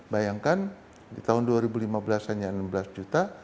bayangkan di tahun dua ribu lima belas hanya enam belas juta